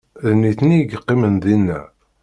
D nitni i yeqqimen dinna